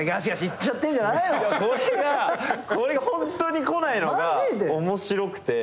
これがこれがホントに来ないのが面白くて。